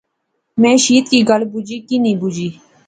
میں شیت کی گل بجی۔۔۔ کی نی بجی